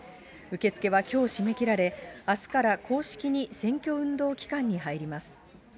受け付けはきょう締め切られ、あすから公式に選挙運動期間に入ります。